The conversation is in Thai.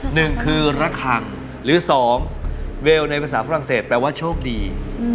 หนึ่งคือระคังหรือสองเวลในภาษาฝรั่งเศสแปลว่าโชคดี